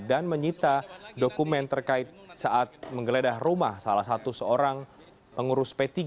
dan menyita dokumen terkait saat menggeledah rumah salah satu seorang pengurus p tiga